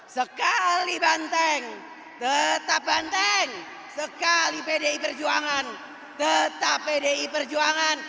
sekali banteng tetap banteng sekali pdi perjuangan tetap pdi perjuangan